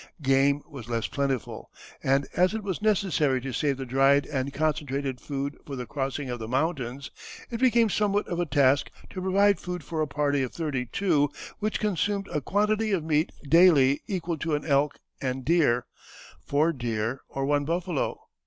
Game was less plentiful, and, as it was necessary to save the dried and concentrated food for the crossing of the mountains, it became somewhat of a task to provide food for a party of thirty two which consumed a quantity of meat daily equal to an elk and deer, four deer or one buffalo.